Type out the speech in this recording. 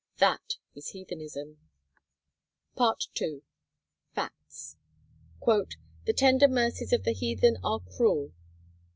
That is heathenism! *II.—FACTS.* "The tender mercies of the heathen are cruel."